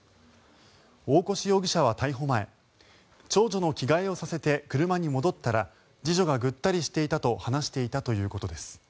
大越容疑者は逮捕前長女の着替えをさせて車に戻ったら次女がぐったりしていたと話していたということです。